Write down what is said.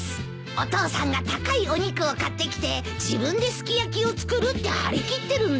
お父さんが高いお肉を買ってきて自分ですき焼きを作るって張り切ってるんだ。